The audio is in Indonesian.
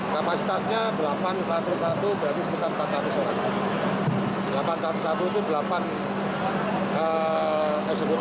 kapasitasnya delapan ratus sebelas berarti sekitar empat ratus orang